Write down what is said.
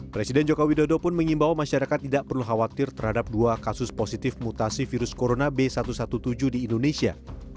presiden jokowi dodo pun mengimbau masyarakat tidak perlu khawatir terhadap dua kasus positif mutasi virus corona b satu ratus tujuh belas di indonesia